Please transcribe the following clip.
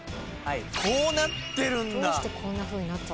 こうなってるんだ。